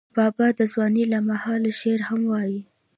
بابا د ځوانۍ له مهاله شعر هم وایه.